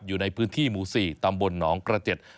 อยู่ในพื้นที่หมู่๔ตำบลหนองกระเจ็ด